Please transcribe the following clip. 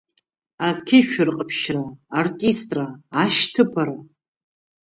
Ақьышә рҟаԥшьра, артистра, ашьҭыԥара!